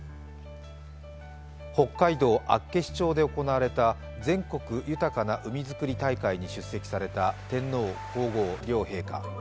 北海道厚岸町で行われた全国豊かな海づくり大会に出席された天皇皇后両陛下。